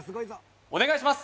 お願いします